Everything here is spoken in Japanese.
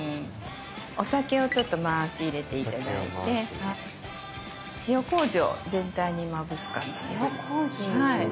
お酒をちょっと回し入れて頂いて塩麹を全体にまぶす感じです。